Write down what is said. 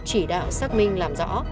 chỉ đạo xác minh làm rõ